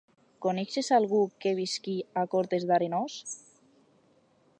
Coneixes algú que visqui a Cortes d'Arenós?